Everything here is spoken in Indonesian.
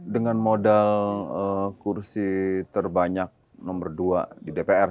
dengan modal kursi terbanyak nomor dua di dpr